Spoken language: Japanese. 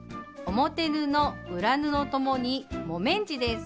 表布裏布ともに木綿地です。